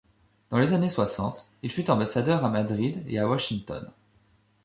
Dans les années soixante, il fut ambassadeur à Madrid et à Washington.